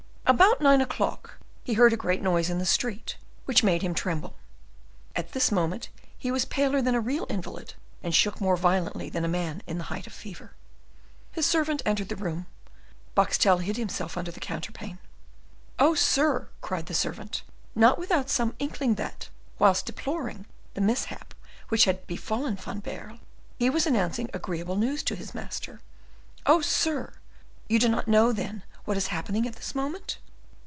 About nine o'clock he heard a great noise in the street which made him tremble, at this moment he was paler than a real invalid, and shook more violently than a man in the height of fever. His servant entered the room; Boxtel hid himself under the counterpane. "Oh, sir!" cried the servant, not without some inkling that, whilst deploring the mishap which had befallen Van Baerle, he was announcing agreeable news to his master, "oh, sir! you do not know, then, what is happening at this moment?"